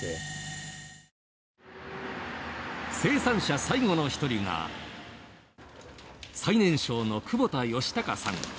生産者最後の一人が最年少の久保田喜隆さん。